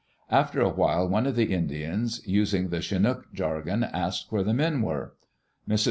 After a while, one of the Indians, using the Chinook jargon, asked where the men were. Mrs.